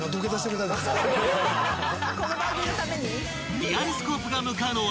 ［リアルスコープが向かうのは］